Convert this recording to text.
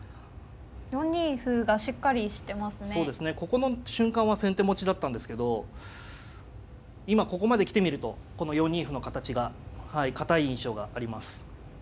ここの瞬間は先手持ちだったんですけど今ここまで来てみるとこの４二歩の形が堅い印象があります。